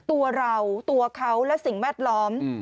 ตัวเราตัวเขาและสิ่งแวดล้อม